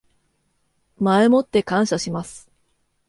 前もって感謝します